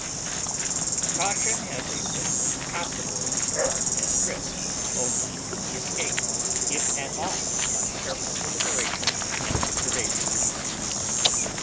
Caution has a sense of possible harm and risk only to be escaped, if at all, by careful deliberation and observation.